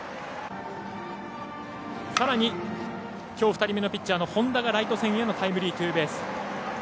さらに、きょう２人目のピッチャーの本田がライト線へのタイムリーツーベース。